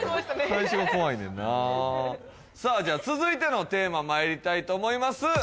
最初が怖いねんなさあじゃあ続いてのテーマまいりたいと思いますああ